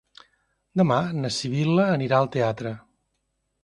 Demà na Sibil·la anirà al teatre.